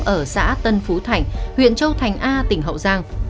ở xã tân phú thảnh huyện châu thành a tỉnh hậu giang